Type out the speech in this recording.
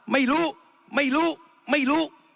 ไม่รู้ไม่รู้ไม่รู้